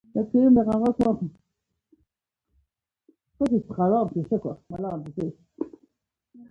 زیات پوهنتونونه د سمستر له سیسټم څخه کار اخلي.